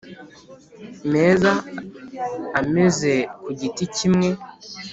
Meza ameze ku giti kimwe